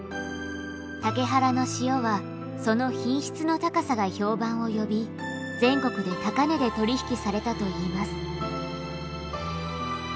竹原の塩はその品質の高さが評判を呼び全国で高値で取り引きされたといいます。